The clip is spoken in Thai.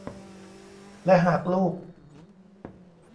และหากลูก